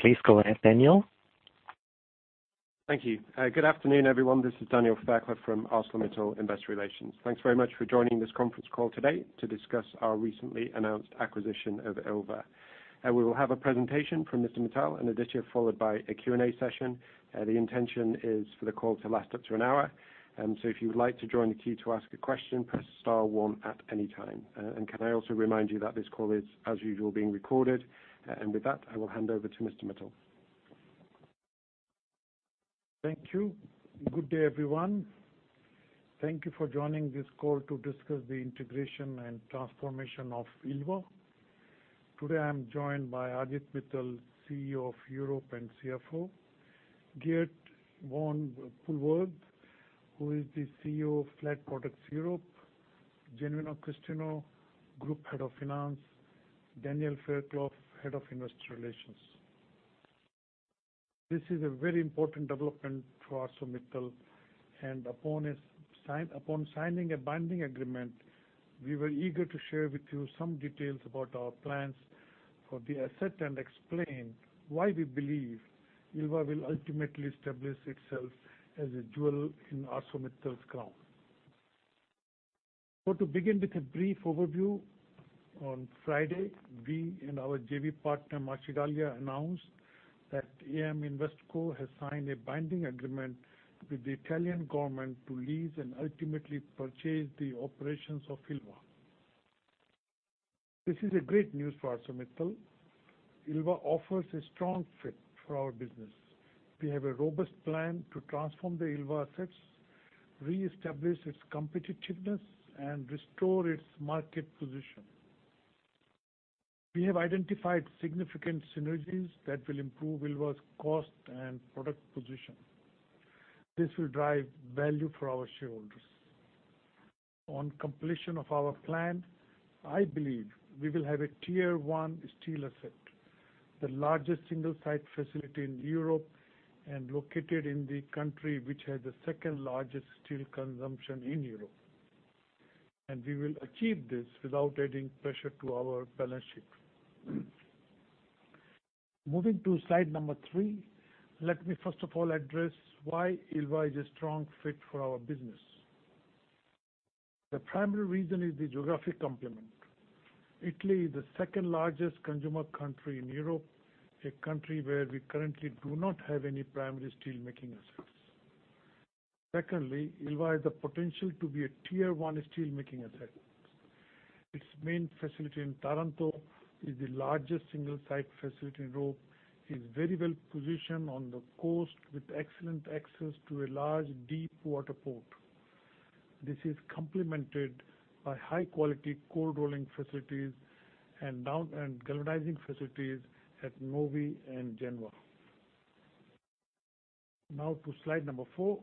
Please go ahead, Daniel. Thank you. Good afternoon, everyone. This is Daniel Fairclough from ArcelorMittal Investor Relations. Thanks very much for joining this conference call today to discuss our recently announced acquisition of Ilva. We will have a presentation from Aditya Mittal, followed by a Q&A session. The intention is for the call to last up to an hour. If you would like to join the queue to ask a question, press star one at any time. Can I also remind you that this call is, as usual, being recorded? With that, I will hand over to Aditya Mittal. Thank you. Good day, everyone. Thank you for joining this call to discuss the integration and transformation of Ilva. Today, I'm joined by Aditya Mittal, CEO of Europe and CFO, Geert Van Poelvoorde, who is the CEO of Flat Products Europe, Genuino Cristino, Group Head of Finance, Daniel Fairclough, Head of Investor Relations. This is a very important development for ArcelorMittal. Upon signing a binding agreement, we were eager to share with you some details about our plans for the asset and explain why we believe Ilva will ultimately establish itself as a jewel in ArcelorMittal's crown. To begin with a brief overview, on Friday, we and our JV partner, Marcegaglia, announced that AM Investco has signed a binding agreement with the Italian government to lease and ultimately purchase the operations of Ilva. This is a great news for ArcelorMittal. Ilva offers a strong fit for our business. We have a robust plan to transform the Ilva assets, reestablish its competitiveness, and restore its market position. We have identified significant synergies that will improve Ilva's cost and product position. This will drive value for our shareholders. On completion of our plan, I believe we will have a Tier 1 steel asset, the largest single-site facility in Europe, and located in the country which has the second-largest steel consumption in Europe. We will achieve this without adding pressure to our balance sheet. Moving to slide number three, let me first of all address why Ilva is a strong fit for our business. The primary reason is the geographic complement. Italy is the second-largest consumer country in Europe, a country where we currently do not have any primary steelmaking assets. Secondly, Ilva has the potential to be a Tier 1 steelmaking asset. Its main facility in Taranto is the largest single-site facility in Europe, is very well positioned on the coast with excellent access to a large deepwater port. This is complemented by high-quality cold rolling facilities and galvanizing facilities at Novi and Genoa. Now to slide number four,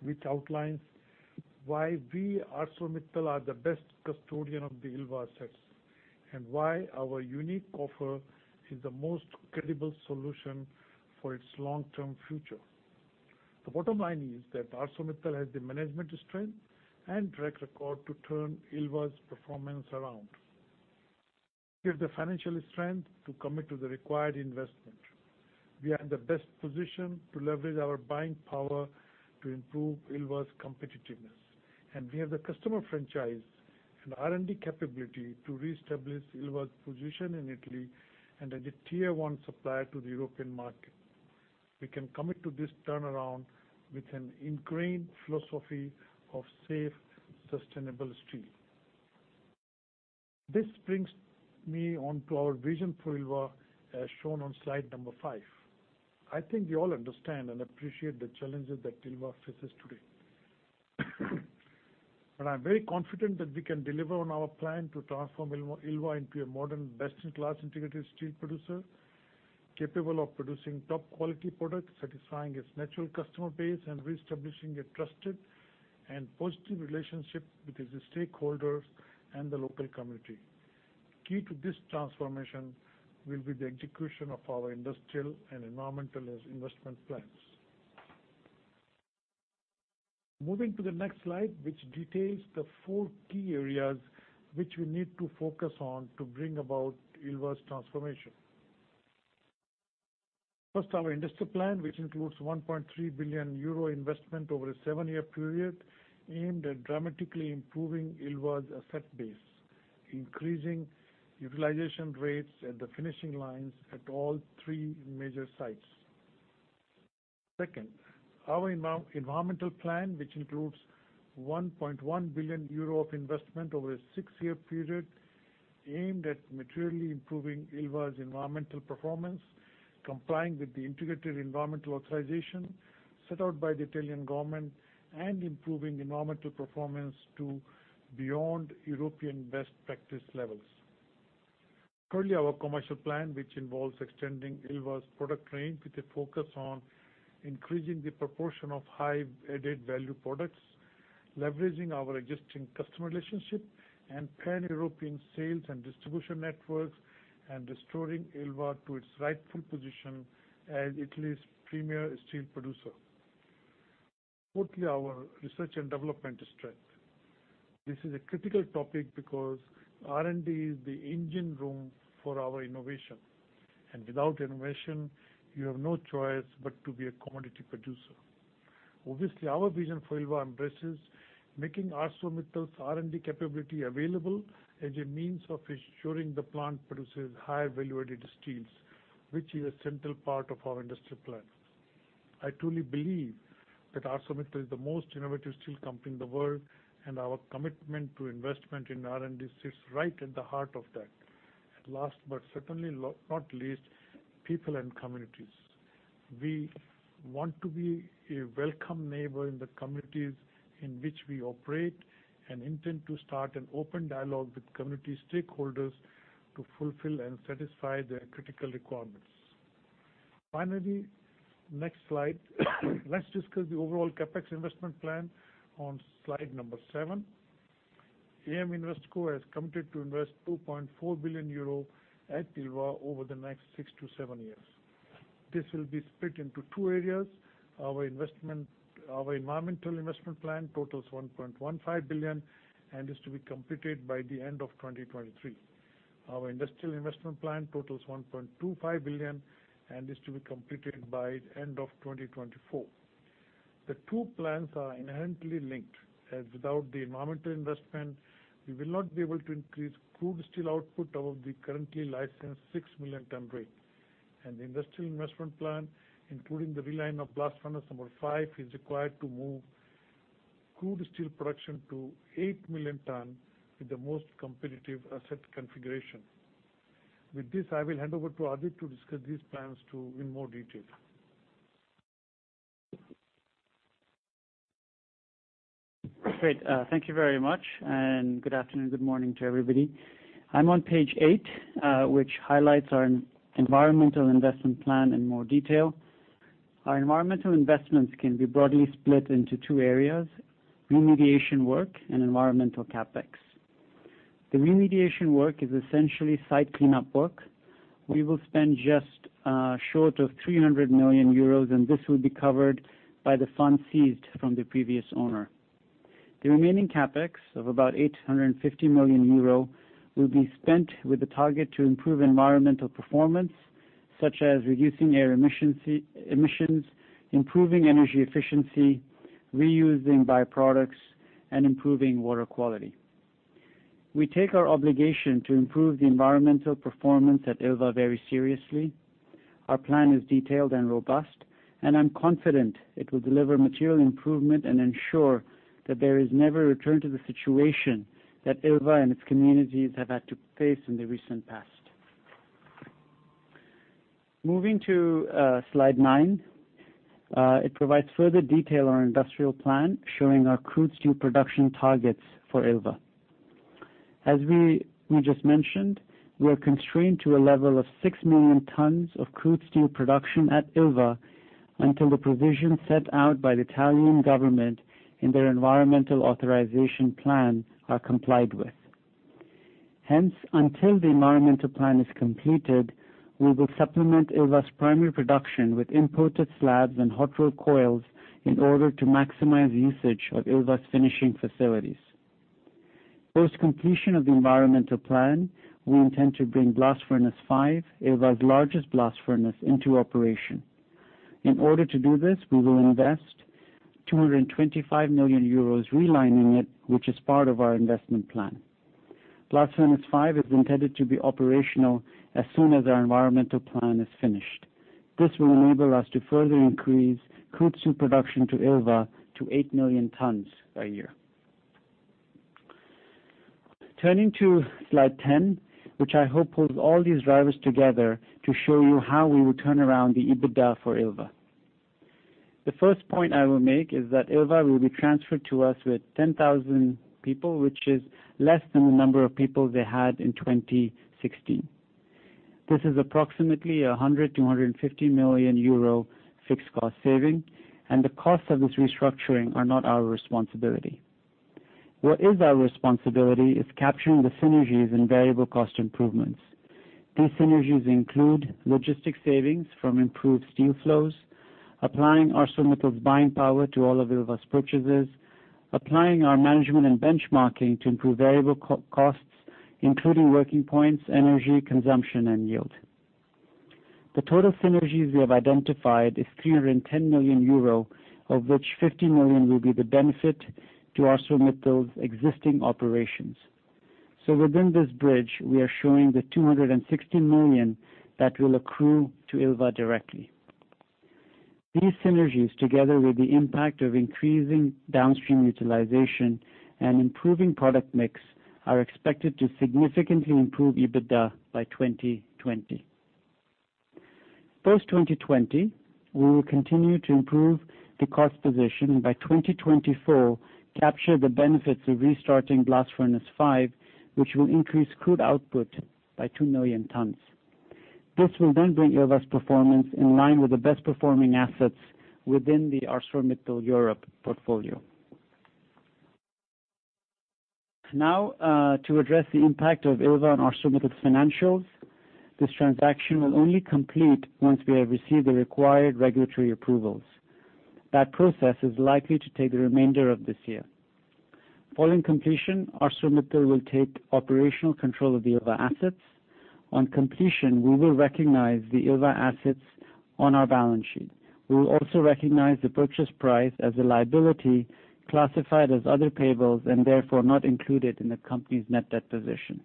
which outlines why we, ArcelorMittal, are the best custodian of the Ilva assets, and why our unique offer is the most credible solution for its long-term future. The bottom line is that ArcelorMittal has the management strength and track record to turn Ilva's performance around. We have the financial strength to commit to the required investment. We are in the best position to leverage our buying power to improve Ilva's competitiveness. We have the customer franchise and R&D capability to reestablish Ilva's position in Italy and as a Tier 1 supplier to the European market. We can commit to this turnaround with an ingrained philosophy of safe, sustainable steel. This brings me onto our vision for Ilva, as shown on slide number five. I think you all understand and appreciate the challenges that Ilva faces today. I'm very confident that we can deliver on our plan to transform Ilva into a modern, best-in-class integrated steel producer, capable of producing top-quality products, satisfying its natural customer base, and reestablishing a trusted and positive relationship with its stakeholders and the local community. Key to this transformation will be the execution of our industrial and environmental investment plans. Moving to the next slide, which details the four key areas which we need to focus on to bring about Ilva's transformation. First, our industrial plan, which includes 1.3 billion euro investment over a seven-year period aimed at dramatically improving Ilva's asset base, increasing utilization rates at the finishing lines at all three major sites. Second, our environmental plan, which includes 1.1 billion euro of investment over a six-year period, aimed at materially improving Ilva's environmental performance, complying with the Integrated Environmental Authorization set out by the Italian government, and improving environmental performance to beyond European best practice levels. Thirdly, our commercial plan, which involves extending Ilva's product range with a focus on increasing the proportion of high added value products, leveraging our existing customer relationship and pan-European sales and distribution networks, and restoring Ilva to its rightful position as Italy's premier steel producer. Fourthly, our research and development strength. This is a critical topic because R&D is the engine room for our innovation, and without innovation, you have no choice but to be a commodity producer. Obviously, our vision for Ilva addresses making ArcelorMittal's R&D capability available as a means of ensuring the plant produces high value-added steels, which is a central part of our industry plan. I truly believe that ArcelorMittal is the most innovative steel company in the world, and our commitment to investment in R&D sits right at the heart of that. Last but certainly not least, people and communities. We want to be a welcome neighbor in the communities in which we operate and intend to start an open dialogue with community stakeholders to fulfill and satisfy their critical requirements. Finally, next slide. Let's discuss the overall CapEx investment plan on slide number seven. AM Investco has committed to invest 2.4 billion euro at Ilva over the next six to seven years. This will be split into two areas. Our environmental investment plan totals 1.15 billion and is to be completed by the end of 2023. Our industrial investment plan totals 1.25 billion and is to be completed by the end of 2024. The two plans are inherently linked, as without the environmental investment, we will not be able to increase crude steel output above the currently licensed 6 million ton rate. The industrial investment plan, including the reline of blast furnace five, is required to move crude steel production to 8 million ton with the most competitive asset configuration. With this, I will hand over to Aditya to discuss these plans in more detail. Great. Thank you very much, good afternoon, good morning to everybody. I'm on page eight, which highlights our environmental investment plan in more detail. Our environmental investments can be broadly split into two areas, remediation work and environmental CapEx. The remediation work is essentially site cleanup work. We will spend just short of 300 million euros. This will be covered by the funds seized from the previous owner. The remaining CapEx of about 850 million euro will be spent with the target to improve environmental performance, such as reducing air emissions, improving energy efficiency, reusing byproducts, and improving water quality. We take our obligation to improve the environmental performance at Ilva very seriously. Our plan is detailed and robust. I'm confident it will deliver material improvement and ensure that there is never a return to the situation that Ilva and its communities have had to face in the recent past. Moving to slide nine. It provides further detail on our industrial plan, showing our crude steel production targets for Ilva. As we just mentioned, we are constrained to a level of 6 million tons of crude steel production at Ilva until the provisions set out by the Italian government in their Environmental Authorization Plan are complied with. Hence, until the environmental plan is completed, we will supplement Ilva's primary production with imported slabs and hot rolled coils in order to maximize usage of Ilva's finishing facilities. Post completion of the environmental plan, we intend to bring blast furnace five, Ilva's largest blast furnace, into operation. In order to do this, we will invest 225 million euros relining it, which is part of our investment plan. Blast furnace five is intended to be operational as soon as our environmental plan is finished. This will enable us to further increase crude steel production to Ilva to 8 million tons a year. Turning to slide 10, which I hope pulls all these drivers together to show you how we will turn around the EBITDA for Ilva. The first point I will make is that Ilva will be transferred to us with 10,000 people, which is less than the number of people they had in 2016. This is approximately a 100 million euro to 150 million euro fixed cost saving. The costs of this restructuring are not our responsibility. What is our responsibility is capturing the synergies and variable cost improvements. These synergies include logistic savings from improved steel flows, applying ArcelorMittal's buying power to all of Ilva's purchases, applying our management and benchmarking to improve variable costs, including working points, energy consumption, and yield. The total synergies we have identified is 310 million euro, of which 50 million will be the benefit to ArcelorMittal's existing operations. Within this bridge, we are showing the 260 million that will accrue to Ilva directly. These synergies, together with the impact of increasing downstream utilization and improving product mix, are expected to significantly improve EBITDA by 2020. Post 2020, we will continue to improve the cost position, and by 2024, capture the benefits of restarting blast furnace 5, which will increase crude output by 2 million tons. This will bring Ilva's performance in line with the best performing assets within the ArcelorMittal Europe portfolio. To address the impact of Ilva on ArcelorMittal's financials, this transaction will only complete once we have received the required regulatory approvals. That process is likely to take the remainder of this year. Following completion, ArcelorMittal will take operational control of the Ilva assets. On completion, we will recognize the Ilva assets on our balance sheet. We will also recognize the purchase price as a liability classified as other payables, and therefore not included in the company's net debt position.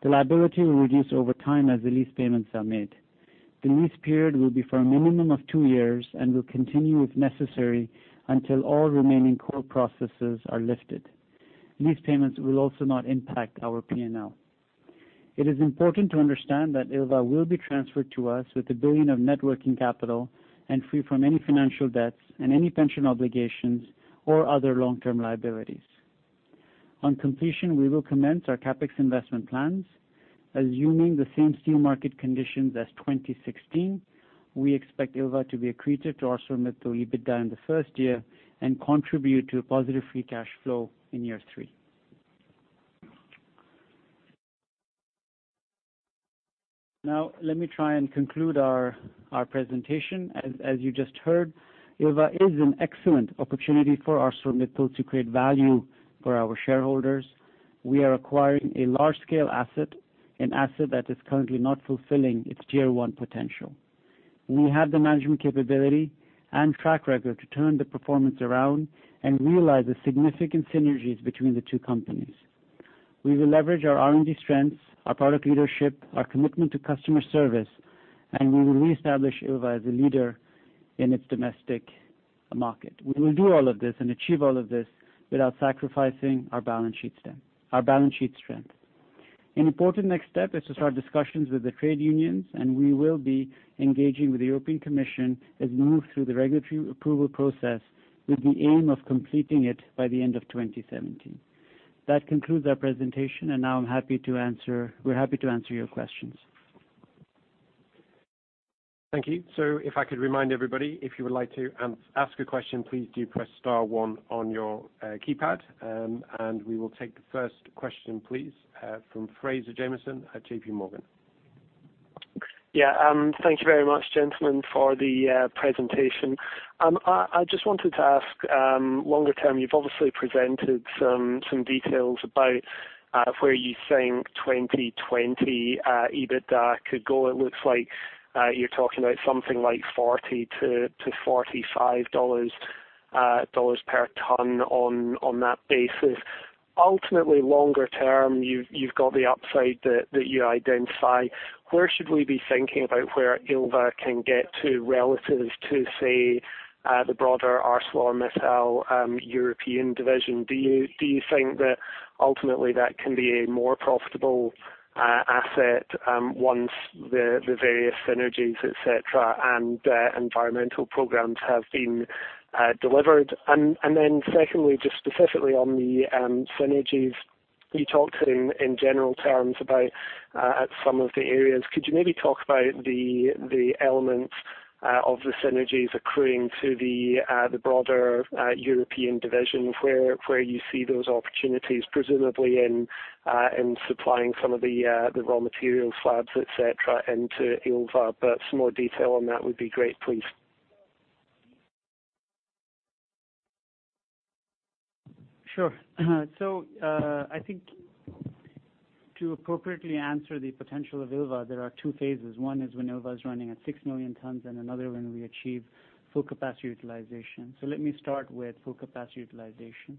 The liability will reduce over time as the lease payments are made. The lease period will be for a minimum of two years and will continue if necessary until all remaining court processes are lifted. Lease payments will also not impact our P&L. It is important to understand that Ilva will be transferred to us with 1 billion of net working capital and free from any financial debts and any pension obligations or other long-term liabilities. On completion, we will commence our CapEx investment plans. Assuming the same steel market conditions as 2016, we expect Ilva to be accretive to ArcelorMittal EBITDA in the first year and contribute to a positive free cash flow in year three. Let me try and conclude our presentation. As you just heard, Ilva is an excellent opportunity for ArcelorMittal to create value for our shareholders. We are acquiring a large-scale asset, an asset that is currently not fulfilling its Tier 1 potential. We have the management capability and track record to turn the performance around and realize the significant synergies between the two companies. We will leverage our R&D strengths, our product leadership, our commitment to customer service. We will reestablish Ilva as a leader in its domestic market. We will do all of this and achieve all of this without sacrificing our balance sheet strength. An important next step is to start discussions with the trade unions. We will be engaging with the European Commission as we move through the regulatory approval process with the aim of completing it by the end of 2017. That concludes our presentation. Now we're happy to answer your questions. Thank you. If I could remind everybody, if you would like to ask a question, please do press *1 on your keypad, and we will take the first question, please, from Fraser Jamieson at JPMorgan. Thank you very much, gentlemen, for the presentation. I just wanted to ask longer term, you've obviously presented some details about where you think 2020 EBITDA could go. It looks like you're talking about something like $40-$45 per ton on that basis. Ultimately, longer term, you've got the upside that you identify. Where should we be thinking about where Ilva can get to relative to, say, the broader ArcelorMittal European division? Do you think that ultimately that can be a more profitable asset once the various synergies, et cetera, and environmental programs have been delivered? Secondly, just specifically on the synergies you talked in general terms about some of the areas. Could you maybe talk about the elements of the synergies accruing to the broader European division, where you see those opportunities, presumably in supplying some of the raw material slabs, et cetera, into Ilva? Some more detail on that would be great, please. Sure. I think to appropriately answer the potential of Ilva, there are two phases. One is when Ilva is running at 6 million tons and another when we achieve full capacity utilization. Let me start with full capacity utilization.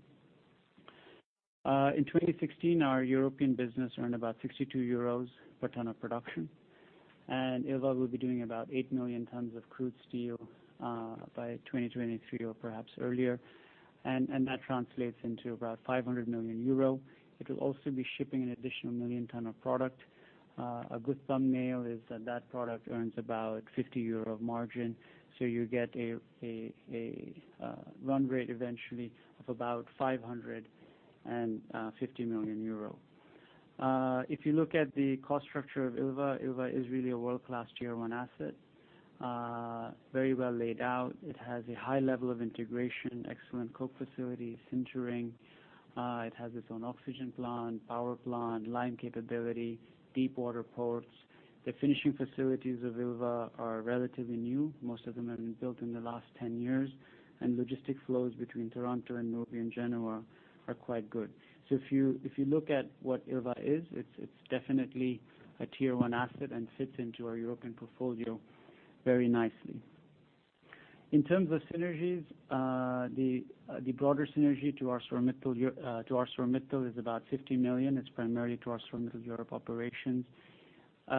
In 2016, our European business earned about 62 euros per ton of production, and Ilva will be doing about 8 million tons of crude steel by 2023 or perhaps earlier. That translates into about 500 million euro. It will also be shipping an additional 1 million tons of product. A good thumbnail is that that product earns about 50 euro margin, so you get a run rate eventually of about 550 million euro. If you look at the cost structure of Ilva is really a world-class Tier 1 asset. Very well laid out. It has a high level of integration, excellent coke facility, sintering. It has its own oxygen plant, power plant, lime capability, deep water ports. The finishing facilities of Ilva are relatively new. Most of them have been built in the last 10 years, and logistic flows between Taranto and Novi and Genoa are quite good. If you look at what Ilva is, it's definitely a Tier 1 asset and fits into our European portfolio very nicely. In terms of synergies, the broader synergy to ArcelorMittal is about 50 million. It's primarily to ArcelorMittal's Europe operations.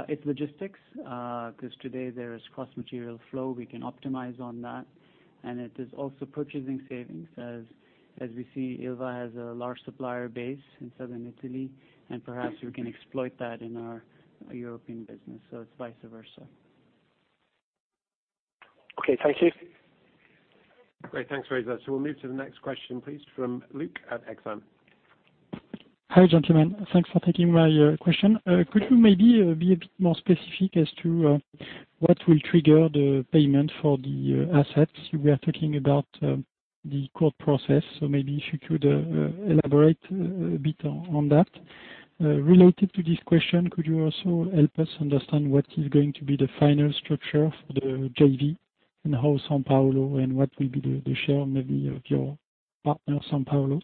It's logistics, because today there is cross-material flow. We can optimize on that. It is also purchasing savings as we see Ilva has a large supplier base in southern Italy, and perhaps we can exploit that in our European business. It's vice versa. Okay. Thank you. Great. Thanks, Fraser. We'll move to the next question, please, from Luc at Exane. Hi, gentlemen. Thanks for taking my question. Could you maybe be a bit more specific as to what will trigger the payment for the assets? You were talking about the court process. Maybe if you could elaborate a bit on that. Related to this question, could you also help us understand what is going to be the final structure for the JV and how Intesa Sanpaolo and what will be the share, maybe, of your partner, Intesa Sanpaolo?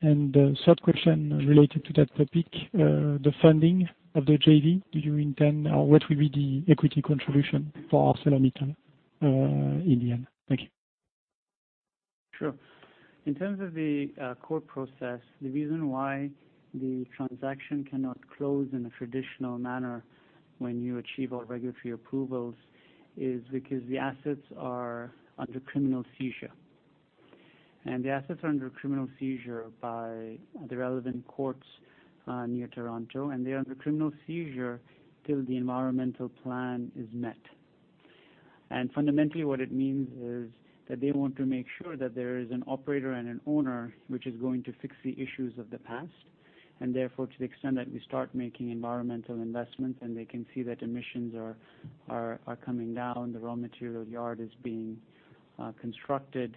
The third question related to that topic, the funding of the JV. Do you intend, or what will be the equity contribution for ArcelorMittal in the end? Thank you. Sure. In terms of the court process, the reason why the transaction cannot close in a traditional manner when you achieve all regulatory approvals is because the assets are under criminal seizure. The assets are under criminal seizure by the relevant courts near Taranto, and they're under criminal seizure till the environmental plan is met. Fundamentally, what it means is that they want to make sure that there is an operator and an owner, which is going to fix the issues of the past. Therefore, to the extent that we start making environmental investments and they can see that emissions are coming down, the raw material yard is being constructed,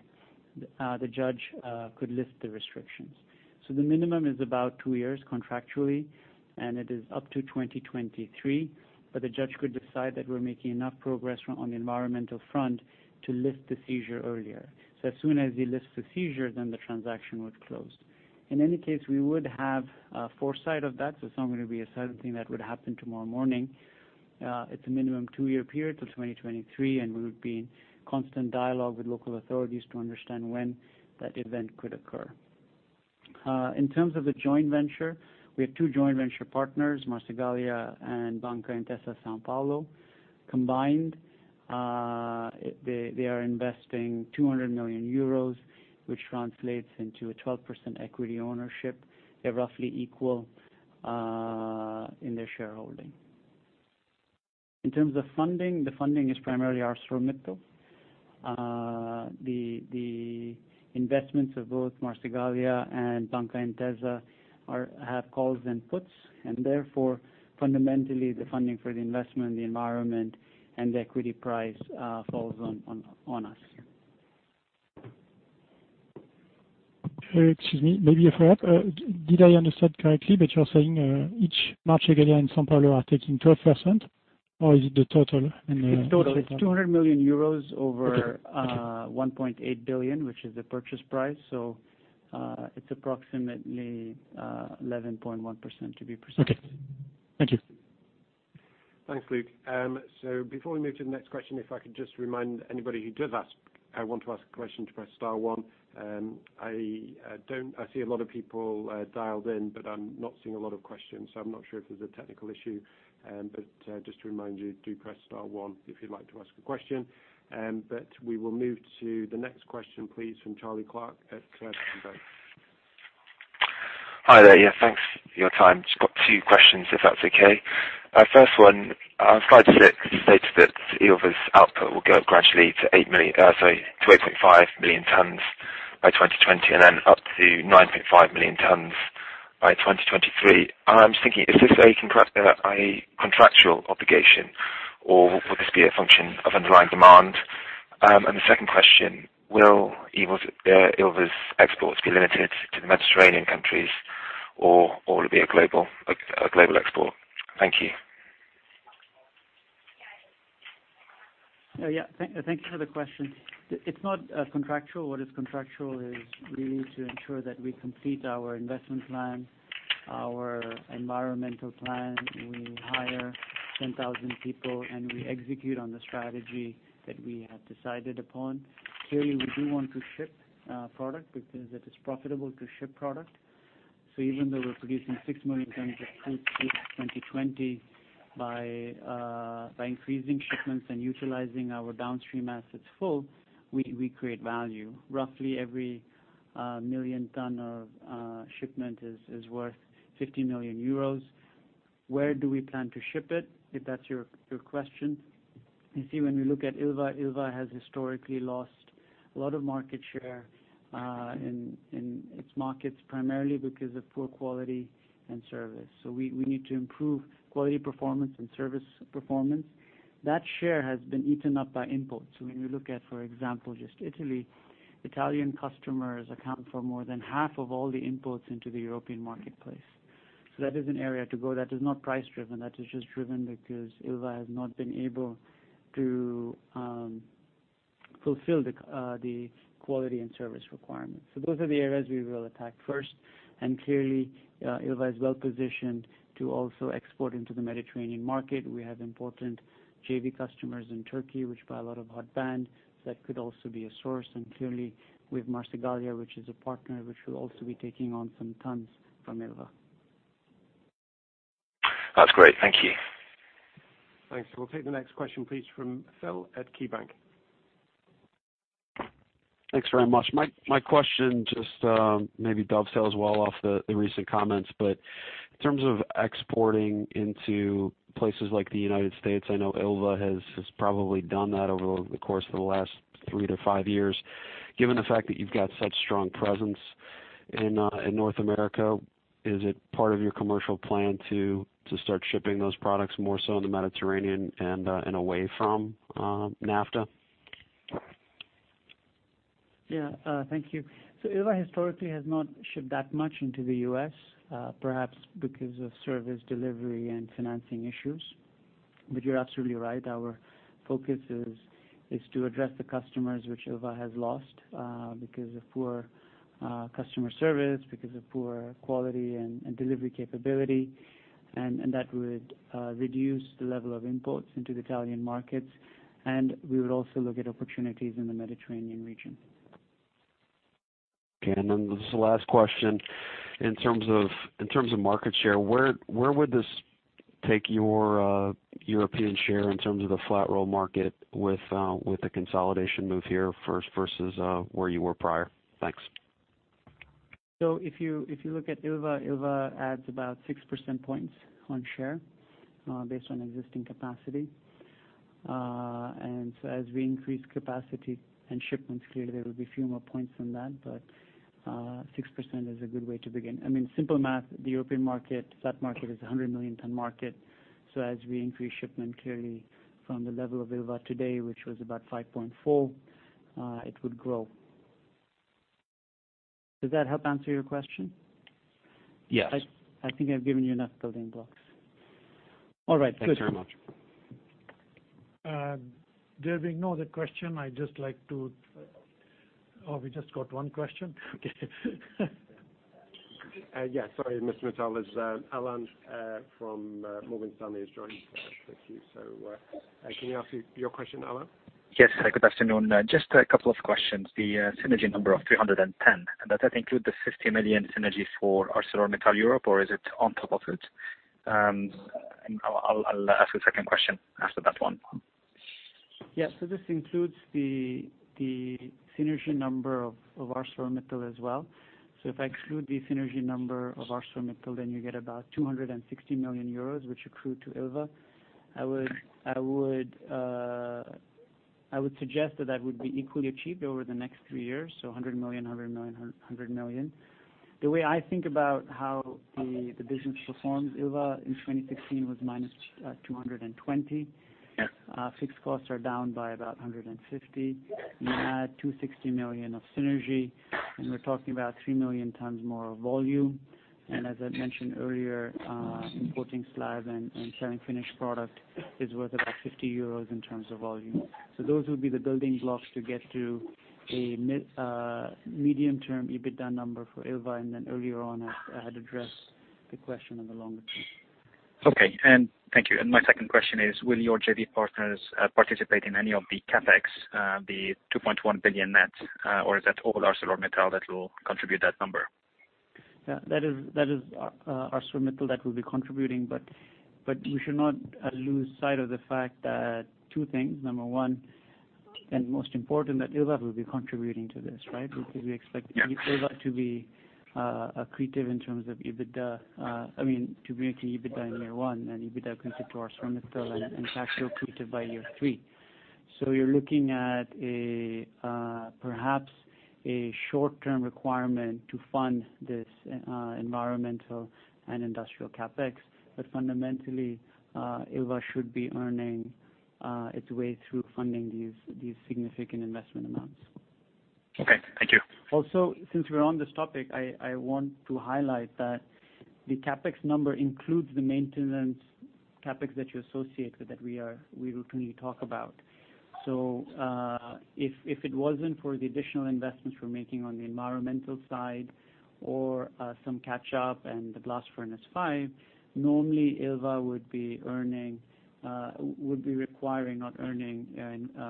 the judge could lift the restrictions. The minimum is about two years contractually, and it is up to 2023, but the judge could decide that we're making enough progress on the environmental front to lift the seizure earlier. As soon as he lifts the seizure, then the transaction would close. In any case, we would have foresight of that, so it's not going to be a sudden thing that would happen tomorrow morning. It's a minimum two-year period, till 2023, and we would be in constant dialogue with local authorities to understand when that event could occur. In terms of the joint venture, we have two joint venture partners, Marcegaglia and Banca Intesa Sanpaolo. Combined, they are investing 200 million euros, which translates into a 12% equity ownership. They're roughly equal in their shareholding. In terms of funding, the funding is primarily ArcelorMittal. The investments of both Marcegaglia and Banca Intesa have calls and puts, and therefore, fundamentally, the funding for the investment, the environment, and the equity price falls on us. Excuse me, maybe a follow-up. Did I understand correctly that you're saying each Marcegaglia and Intesa Sanpaolo are taking 12% or is it the total in the? It's total. It's 200 million euros. Okay 1.8 billion, which is the purchase price. It's approximately 11.1% to be precise. Okay. Thank you. Thanks, Luc. Before we move to the next question, if I could just remind anybody who does want to ask a question to press star one. I see a lot of people dialed in, but I'm not seeing a lot of questions, so I'm not sure if there's a technical issue. Just to remind you, do press star one if you'd like to ask a question. We will move to the next question, please, from Charlie Clark at Berenberg. Hi there. Thanks for your time. Just got two questions, if that's okay. First one, slide six states that Ilva's output will go gradually to 8.5 million tons by 2020, and then up to 9.5 million tons by 2023. I'm just thinking, is this a contractual obligation or will this be a function of underlying demand? The second question, will Ilva's exports be limited to the Mediterranean countries or will it be a global export? Thank you. Thank you for the question. It's not contractual. What is contractual is we need to ensure that we complete our investment plan, our environmental plan, we hire 10,000 people, and we execute on the strategy that we have decided upon. Clearly, we do want to ship product because it is profitable to ship product. Even though we're producing six million tons of crude through 2020, by increasing shipments and utilizing our downstream assets full, we create value. Roughly every million ton of shipment is worth 50 million euros. Where do we plan to ship it, if that's your question? When we look at Ilva has historically lost a lot of market share in its markets, primarily because of poor quality and service. We need to improve quality performance and service performance. That share has been eaten up by imports. When you look at, for example, just Italy, Italian customers account for more than half of all the imports into the European marketplace. That is an area to grow. That is not price driven. That is just driven because Ilva has not been able to fulfill the quality and service requirements. Those are the areas we will attack first. Clearly, Ilva is well-positioned to also export into the Mediterranean market. We have important JV customers in Turkey, which buy a lot of hot band, that could also be a source. Clearly, with Marcegaglia, which is a partner, which will also be taking on some tons from Ilva. That's great. Thank you. Thanks. We'll take the next question, please, from Phil at KeyBanc. Thanks very much. My question just maybe dovetails well off the recent comments, but in terms of exporting into places like the United States, I know Ilva has probably done that over the course of the last three to five years. Given the fact that you've got such strong presence In North America, is it part of your commercial plan to start shipping those products more so in the Mediterranean and away from NAFTA? Yeah. Thank you. Ilva historically has not shipped that much into the U.S. perhaps because of service delivery and financing issues. You're absolutely right. Our focus is to address the customers which Ilva has lost because of poor customer service, because of poor quality and delivery capability. That would reduce the level of imports into the Italian markets, and we would also look at opportunities in the Mediterranean region. Okay. This is the last question. In terms of market share, where would this take your European share in terms of the flat roll market with the consolidation move here versus where you were prior? Thanks. If you look at Ilva adds about 6% points on share based on existing capacity. As we increase capacity and shipments, clearly there will be few more points on that, but 6% is a good way to begin. I mean, simple math, the European market, flat market is 100 million ton market. As we increase shipment, clearly from the level of Ilva today, which was about 5.4, it would grow. Does that help answer your question? Yes. I think I've given you enough building blocks. All right. Good. Thanks very much. There being no other question, I just like to. Oh, we just got one question. Okay. Yes. Sorry, Mr. Mittal, it is Alain from Morgan Stanley who has joined. Thank you. Can we ask you your question, Alain? Yes. Good afternoon. Just a couple of questions. The synergy number of 310 million, does that include the 50 million synergies for ArcelorMittal Europe, or is it on top of it? I will ask a second question after that one. Yes, this includes the synergy number of ArcelorMittal as well. If I exclude the synergy number of ArcelorMittal, you get about 260 million euros, which accrue to Ilva. I would suggest that that would be equally achieved over the next three years, 100 million, 100 million, 100 million. The way I think about how the business performs, Ilva in 2016 was minus 220 million. Yes. Fixed costs are down by about 150 million. You add 260 million of synergy, and we are talking about three million tons more of volume. As I mentioned earlier, importing slab and selling finished product is worth about 50 euros in terms of volume. Those would be the building blocks to get to a medium term EBITDA number for Ilva, and earlier on, I had addressed the question on the longer term. Okay. Thank you. My second question is, will your JV partners participate in any of the CapEx, the 2.1 billion net, or is that all ArcelorMittal that will contribute that number? Yeah, that is ArcelorMittal that will be contributing. We should not lose sight of the fact that two things. Number one, and most important, that Ilva will be contributing to this, right? Yes Ilva to be accretive in terms of EBITDA. I mean, to be making EBITDA in year one, and EBITDA accrue to ArcelorMittal and in fact accretive by year three. You're looking at perhaps a short-term requirement to fund this environmental and industrial CapEx. Fundamentally, Ilva should be earning its way through funding these significant investment amounts. Okay. Thank you. Since we're on this topic, I want to highlight that the CapEx number includes the maintenance CapEx that you associate with that we routinely talk about. If it wasn't for the additional investments we're making on the environmental side or some catch up and the blast furnace five, normally Ilva would be requiring, not earning,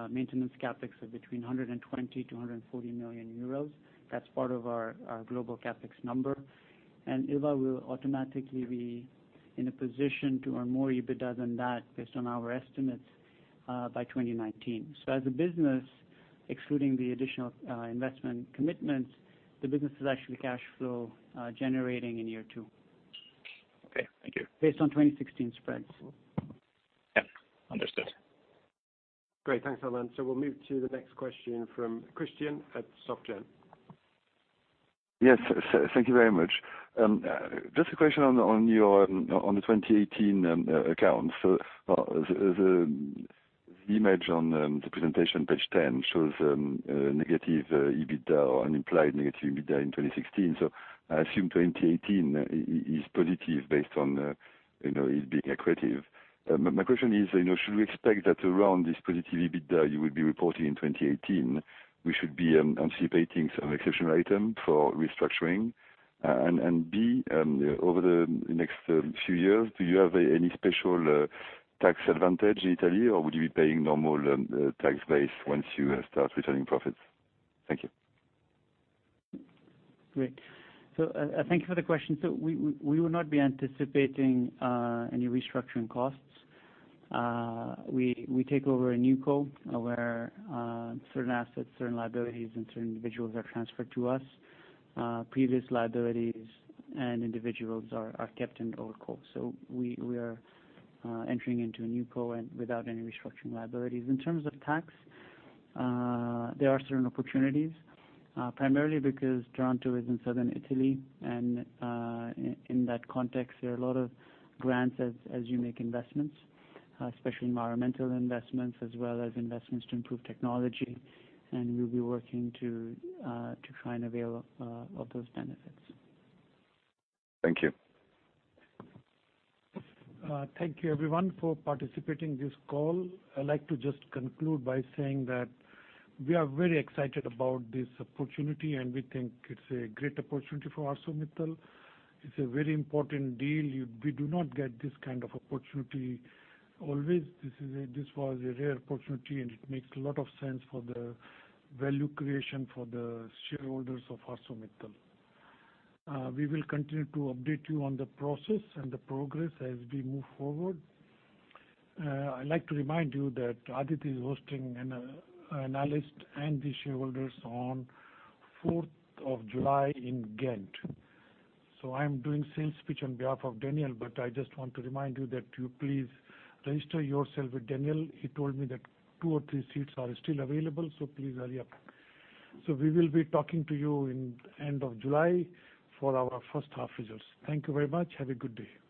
maintenance CapEx of between 120 million-140 million euros. That's part of our global CapEx number. Ilva will automatically be in a position to earn more EBITDA than that based on our estimates by 2019. As a business, excluding the additional investment commitments, the business is actually cash flow generating in year two. Okay. Thank you. Based on 2016 spreads. Yeah. Understood. Great. Thanks, Alain. We'll move to the next question from Christian at SocGen. Yes. Thank you very much. Just a question on the 2018 accounts. The image on the presentation, page 10, shows negative EBITDA or an implied negative EBITDA in 2016. I assume 2018 is positive based on it being accretive. My question is, should we expect that around this positive EBITDA you will be reporting in 2018, we should be anticipating some exceptional item for restructuring? B, over the next few years, do you have any special tax advantage in Italy, or would you be paying normal tax base once you start returning profits? Thank you. Great. Thank you for the question. We will not be anticipating any restructuring costs. We take over a new co where certain assets, certain liabilities, and certain individuals are transferred to us. Previous liabilities and individuals are kept in the old co. We are entering into a new co and without any restructuring liabilities. In terms of tax, there are certain opportunities, primarily because Taranto is in southern Italy, in that context, there are a lot of grants as you make investments, especially environmental investments, as well as investments to improve technology, we'll be working to try and avail of those benefits. Thank you. Thank you everyone for participating this call. I'd like to just conclude by saying that we are very excited about this opportunity, and we think it's a great opportunity for ArcelorMittal. It's a very important deal. We do not get this kind of opportunity always. This was a rare opportunity, and it makes a lot of sense for the value creation for the shareholders of ArcelorMittal. We will continue to update you on the process and the progress as we move forward. I'd like to remind you that Aditya is hosting an analyst and the shareholders on 4th of July in Ghent. I am doing sales pitch on behalf of Daniel, but I just want to remind you that you please register yourself with Daniel. He told me that two or three seats are still available, so please hurry up. We will be talking to you in end of July for our first half results. Thank you very much. Have a good day.